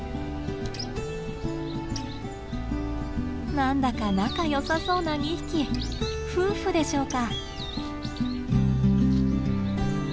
何だか仲良さそうな２匹夫婦でしょうか？